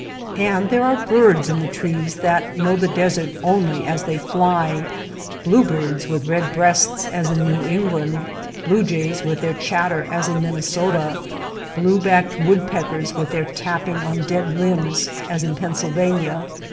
And there are birds in the trees that know the desert only as they fly — blue birds with red breasts as in New England, blue jays with their chatter as in Minnesota, blue backed woodpeckers with their tapping on dead limbs as in Pennsylvania.